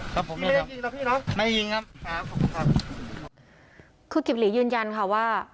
ครับผมไม่รู้ครับไม่ยิงครับครับครับครับครับคุณกิจหลียืนยันค่ะว่า